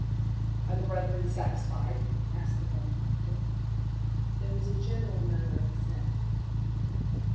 "Are the brethren satisfied?" asked the Bodymaster. There was a general murmur of assent.